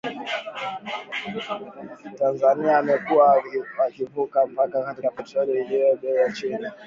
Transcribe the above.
Tanzania wamekuwa wakivuka mpaka kununua petroli iliyo bei ya chini